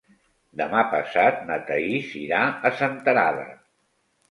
Demà passat na Thaís irà a Senterada.